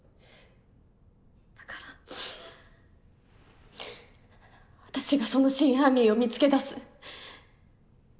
だから私がその真犯人を見つけ出す。